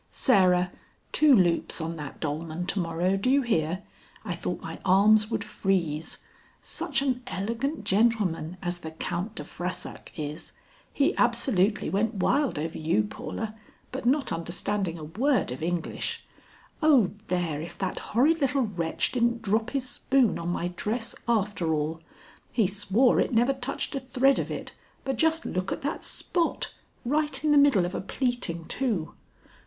"Sarah, two loops on that dolman to morrow; do you hear? I thought my arms would freeze. Such an elegant gentleman as the Count de Frassac is! He absolutely went wild over you, Paula, but not understanding a word of English O there, if that horrid little wretch didn't drop his spoon on my dress after all! He swore it never touched a thread of it, but just look at that spot, right in the middle of a pleating too.